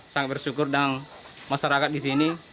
sangat bersyukur dengan masyarakat di sini